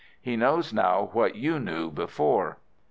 He knows now what you knew before.